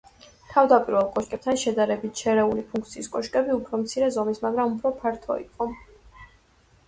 თავდაპირველ კოშკებთან შედარებით, შერეული ფუნქციის კოშკები უფრო მცირე ზომის, მაგრამ უფრო ფართო იყო.